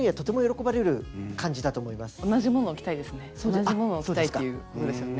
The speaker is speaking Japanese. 同じ物を着たいっていうことですよね。